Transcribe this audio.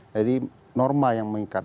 jadi norma yang mengikat